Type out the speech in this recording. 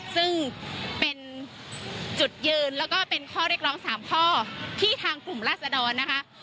ซึ่งเป็นจุดยืนแล้วก็เป็นข้อเรียกร้อง๓ข้อที่ทางกลุ่มราศดรนะคะ